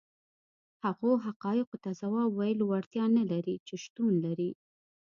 هغو حقایقو ته ځواب ویلو وړتیا نه لري چې شتون لري.